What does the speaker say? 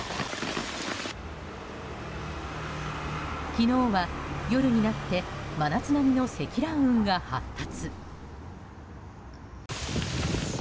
昨日は夜になって真夏並みの積乱雲が発達。